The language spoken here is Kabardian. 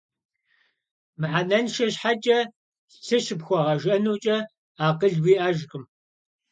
Мыхьэнэншэ щхьэкӀэ лъы щыпхуэгъэжэнукӀэ, акъыл уиӀэжкъым.